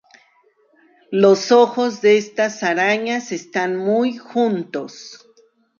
Los ojos de estas arañas están muy juntos.